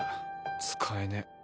使えねえ。